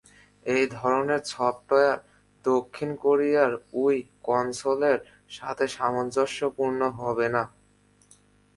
এই ধরনের সফটওয়্যার দক্ষিণ কোরিয়ার উইই কনসোলের সাথে সামঞ্জস্যপূর্ণ হবে না।